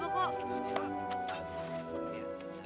anjel kamu gak apa apa